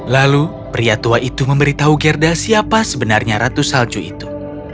lalu pria tua itu memberitahu gerda siapa sebenarnya ratu salju itu